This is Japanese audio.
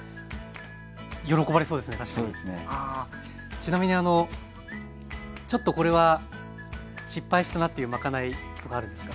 ちなみにあのちょっとこれは失敗したなっていうまかないはあるんですか？